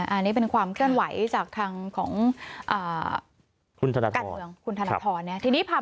อันนี้เป็นความเคลื่อนไหวจากทางของคุณการเมืองคุณธนทร